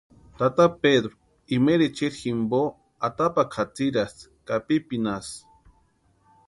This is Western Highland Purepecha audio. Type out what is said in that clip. Tata Pedru imaeri echeri jimpo atapakwa jatsirasti ka pipinasï.